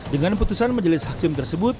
dengan putusan majelis hakim tersebut